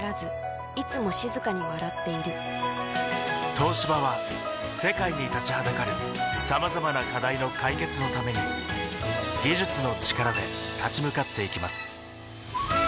東芝は世界に立ちはだかるさまざまな課題の解決のために技術の力で立ち向かっていきます